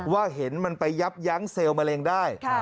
เห็นมันไปยับยั้งเซลล์มะเร็งได้